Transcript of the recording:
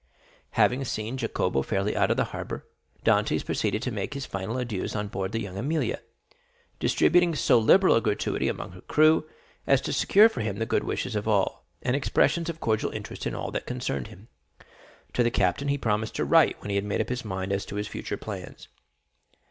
Having seen Jacopo fairly out of the harbor, Dantès proceeded to make his final adieus on board La Jeune Amélie, distributing so liberal a gratuity among her crew as to secure for him the good wishes of all, and expressions of cordial interest in all that concerned him. To the captain he promised to write when he had made up his mind as to his future plans.